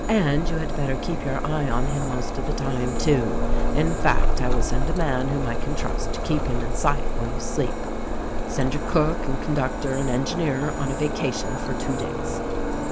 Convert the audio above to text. And you had better keep your eye on him most of the time, too ! In fact, I will send a man whom I can trust, to keep him in sight while you sleep. "Send your cook and conductor and engineer on a vaca tion for two days."